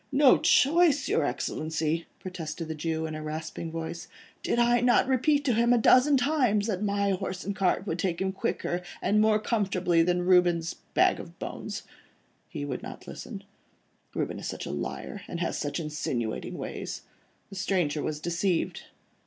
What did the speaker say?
"No choice, your Excellency?" protested the Jew, in a rasping voice, "did I not repeat to him a dozen times, that my horse and cart would take him quicker, and more comfortably than Reuben's bag of bones. He would not listen. Reuben is such a liar, and has such insinuating ways. The stranger was deceived.